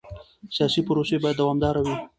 سیاسي پروسې باید دوامداره وي